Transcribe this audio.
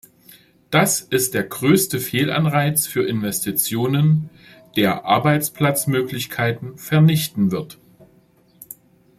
Das ist der größte Fehlanreiz für Investitionen, der Arbeitsplatzmöglichkeiten vernichten wird.